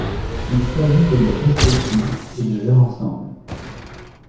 Il s'agit de leur respectif et de leur ensemble.